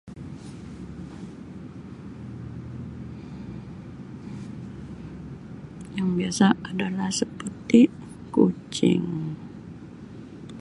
Yang biasa adalah seperti kucing.